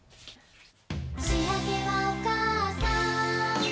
「しあげはおかあさん」